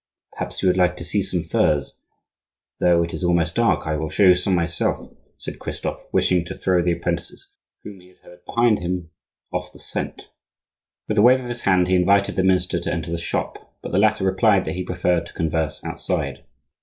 "Perhaps you would like to see some furs? Though it is almost dark I will show you some myself," said Christophe, wishing to throw the apprentices, whom he heard behind him, off the scent. With a wave of his hand he invited the minister to enter the shop, but the latter replied that he preferred to converse outside.